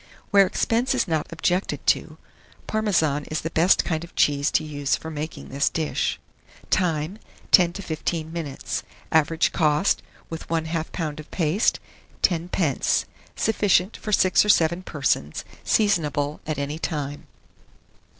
Where expense is not objected to, Parmesan is the best kind of cheese to use for making this dish. Time. 10 to 15 minutes. Average cost, with 1/2 lb. of paste, 10d. Sufficient for 6 or 7 persons. Seasonable at any time.